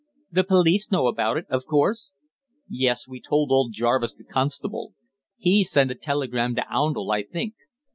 "The police know about it, of course?" "Yes, we told old Jarvis, the constable. He's sent a telegram to Oundle, I think."